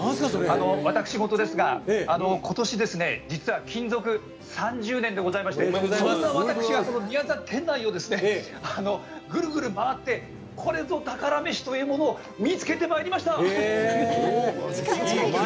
私事ですが今年ですね、実は勤続３０年でございましてそんな私が宮崎県内をぐるぐる回ってこれぞ宝メシというものを見つけてまいりました！